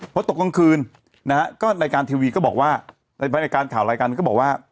พอตกกลางคืนนะฮะก็รายการทีวีก็บอกว่าในรายการข่าวรายการก็บอกว่า